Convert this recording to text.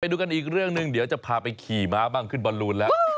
ดูกันอีกเรื่องหนึ่งเดี๋ยวจะพาไปขี่ม้าบ้างขึ้นบอลลูนแล้ว